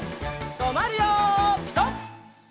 とまるよピタ！